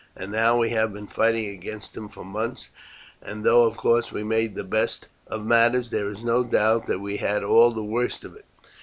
And now we have been fighting against him for months, and though of course we made the best of matters, there is no doubt that we had all the worst of it.